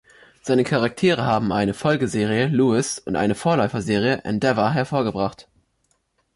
Seine Charaktere haben eine Folgeserie, „Lewis“, und eine Vorläuferserie, „Endeavour“, hervorgebracht.